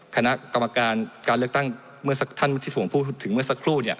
คณะกรรมการการเลือกตั้งเมื่อสักท่านที่ผมพูดถึงเมื่อสักครู่